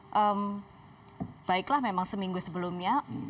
jadi baiklah memang seminggu sebelumnya